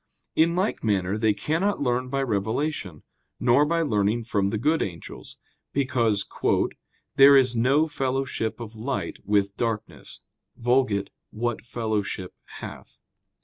In like manner they cannot learn by revelation, nor by learning from the good angels: because "there is no fellowship of light with darkness [*Vulg.: 'What fellowship hath